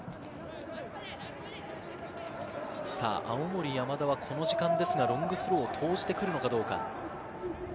青森山田はこの時間ですがロングスローを投じてくるのかどうか。